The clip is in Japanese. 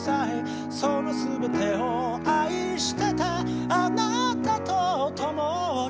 「そのすべてを愛してたあなたと共に」